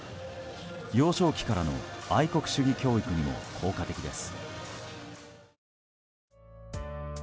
幼少期からの愛国主義教育にも効果的です。